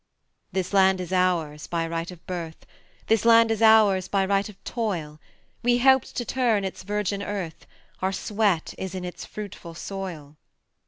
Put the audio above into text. This land is ours by right of birth, This land is ours by right of toil; We helped to turn its virgin earth, Our sweat is in its fruitful soil.